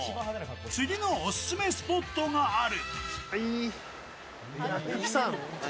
次のオススメスポットがある。